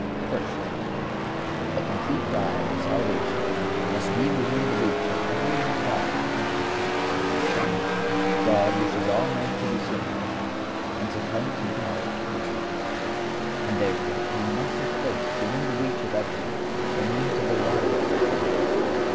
First—A complete guide of salvation must be within the reach of every inquirer after truth; for, God "wishes all men to be saved, and to come to the knowledge of the truth;"(144) and therefore He must have placed within the reach of everyone the means of arriving at the truth.